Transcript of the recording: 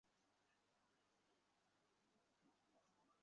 প্রেসের কোনো লোক যাতে এই সম্পর্কে কোনো ভাবেই কিছু জানতে না পারে।